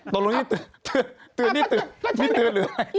ตรงนี้เตือนนี่เตือนหรืออะไร